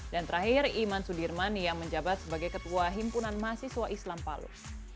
dan terakhir iman sudirman yang menjabat sebagai ketua himpunan mahasiswa islam palu